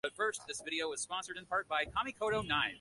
তিনি জানতেন যে শিল্পী হওয়ার জন্য তাকে আর্ট স্কুলে ভর্তি হতে হবে।